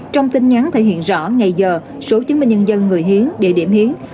trong tin nhắn thể hiện rõ ngày giờ số chứng minh nhân dân người hiến địa điểm hiến